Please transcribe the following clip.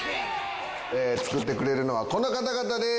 作ってくれるのはこの方々です。